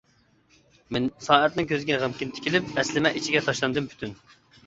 سائەتنىڭ كۆزىگە غەمكىن تىكىلىپ، ئەسلىمە ئىچىگە تاشلاندىم پۈتۈن.